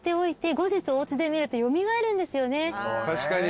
確かに。